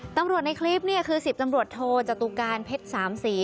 ตำรวจในคลิปนี่คือ๑๐ตำรวจโทจตุการเพชรสามสี